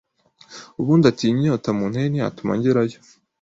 Undi ati iyi nyota munteye ntiyatuma ngerayo,